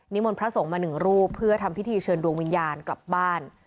มนต์พระสงฆ์มาหนึ่งรูปเพื่อทำพิธีเชิญดวงวิญญาณกลับบ้าน